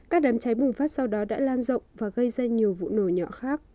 các đám cháy bùng phát sau đó đã lan rộng và gây ra nhiều vụ nổ nhỏ khác